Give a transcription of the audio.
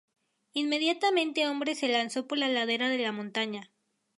Inmediatamente hombre se lanzó por la ladera de la montaña.